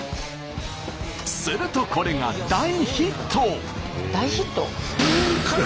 するとこれが大ヒット！